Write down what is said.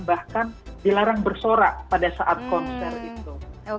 bahkan dilarang bersorak pada saat konser itu